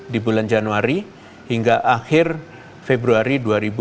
di bulan januari hingga akhir februari dua ribu dua puluh